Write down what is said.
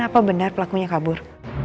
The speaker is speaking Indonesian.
apa benar pelakunya kabur